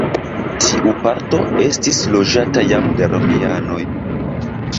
Tiu parto estis loĝata jam de romianoj.